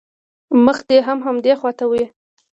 مخ دې هم همدې خوا ته وي.